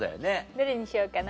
どれにしようかな？